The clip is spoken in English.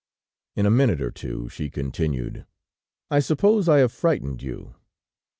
In a minute or two she continued: "'I suppose I have frightened you?'